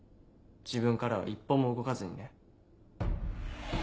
自分からは一歩も動かずにね。